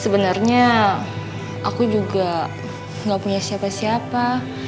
sebenarnya aku juga nggak punya siapa siapa